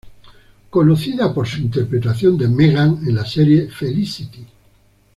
Conocida por su interpretación de Meghan en la serie Felicity.